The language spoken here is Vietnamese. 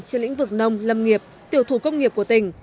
trên lĩnh vực nông lâm nghiệp tiểu thủ công nghiệp của tỉnh